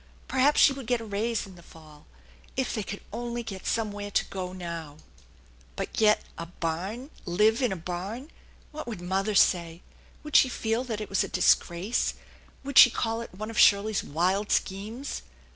Perhaps she would get a raise in the fall. If they could only get some where to go now ! But yet a barn ! Live in a barn ! What would mother Bay ? Would she feel that it was a disgrace ? Would she call it one of Shirley's wild schemes